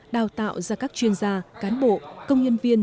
đào tạo ra các chuyên gia cán bộ công nhân viên